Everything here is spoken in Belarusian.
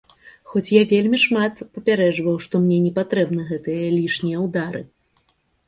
Хоць я вельмі шмат папярэджваў, што мне не патрэбны гэтыя лішнія ўдары.